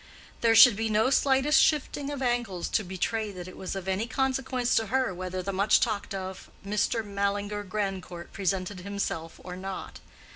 There should be no slightest shifting of angles to betray that it was of any consequence to her whether the much talked of Mr. Mallinger Grandcourt presented himself or not.